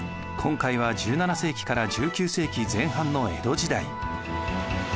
今回は１７世紀から１９世紀前半の江戸時代。